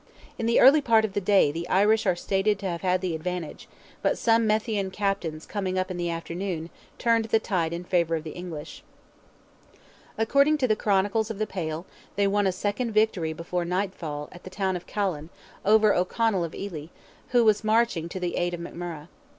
In the early part of the day the Irish are stated to have had the advantage, but some Methian captains coming up in the afternoon turned the tide in favour of the English. According to the chronicles of the Pale, they won a second victory before nightfall at the town of Callan, over O'Carroll of Ely, who was marching to the aid of McMurrogh.